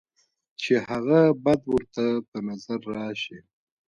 چې هغه بد ورته پۀ نظر راشي،